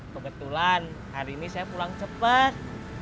kebetulan hari ini saya pulang cepat